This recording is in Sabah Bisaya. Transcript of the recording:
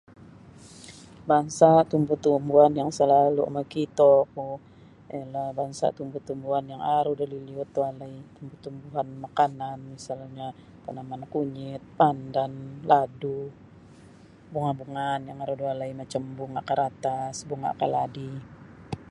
Bansa' tumbu-tumbuan yang salalu' makito ku ino bansa tumbu-tumbuan yang aru da liliut walai tumbu-tumbuhan makanan misalnyo tanaman kunyit pandan ladu bunga-bungaan yang aru da walai macam bunga' karatas bunga' kaladi.